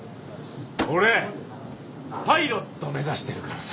俺パイロット目指してるからさ！